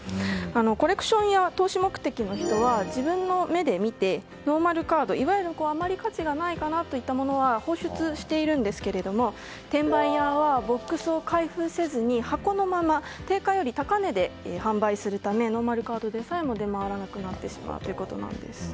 コレクションや投資目的の人は自分の目で見て、ノーマルカードいわゆるあまり価値がないかなというものは放出していますが転売ヤーはボックスを開封せずに箱のまま定価よりも高値で販売するためノーマルカードでさえも出回らなくなるということです。